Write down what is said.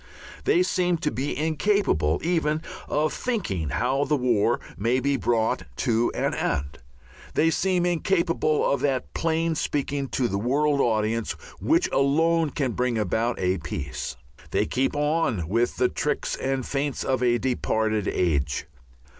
They seem to be incapable even of thinking how the war may be brought to an end. They seem incapable of that plain speaking to the world audience which alone can bring about a peace. They keep on with the tricks and feints of a departed age.